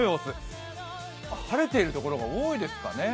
晴れている所が多いですかね。